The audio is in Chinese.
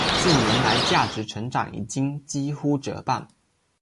近年来价值成长已经几乎折半。